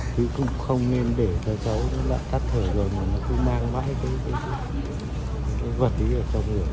thì cũng không nên để cho cháu nó đã thắt thở rồi mà nó cứ mang mãi cái vật ấy